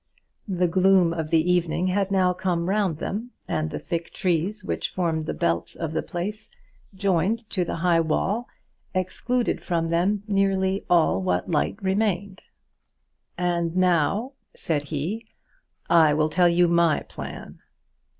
The gloom of the evening had now come round them, and the thick trees which formed the belt of the place, joined to the high wall, excluded from them nearly all what light remained. "And now," said he, "I will tell you my plan."